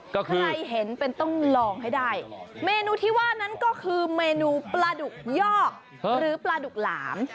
ใครเห็นเป็นต้องลองให้ได้เมนูที่ว่านั้นก็คือเมนูปลาดุกยอกหรือปลาดุกหลาม